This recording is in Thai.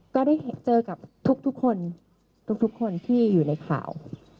ก็ได้เจอกับทุกคนทุกคนที่อยู่ในข่าว